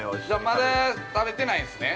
◆まだ、食べてないんですね。